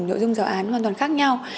nội dung giáo án hoàn toàn khác nhau